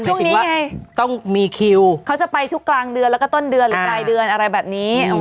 ช่วงนี้ไงต้องมีคิวเขาจะไปทุกกลางเดือนแล้วก็ต้นเดือนหรือปลายเดือนอะไรแบบนี้